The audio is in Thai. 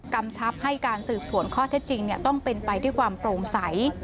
กำชับให้การสืบสวนข้อเท็จจริงต้องเป็นไปด้วยความโปร่งใส